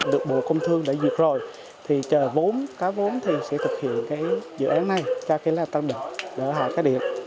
được bộ công thương đã duyệt rồi thì chờ vốn cá vốn thì sẽ thực hiện cái dự án này cho cái làn tăng đỉnh đỡ hạ cá điện